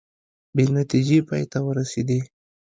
بې نتیجې پای ته ورسیدې